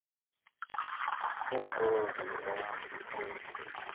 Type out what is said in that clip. o ورور د وجدان اور کي سوځي,